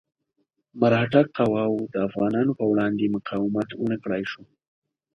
مرهټه قواوو د افغانانو په وړاندې مقاومت ونه کړای شو.